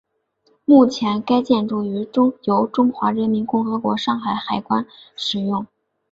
目前该建筑由中华人民共和国上海海关使用。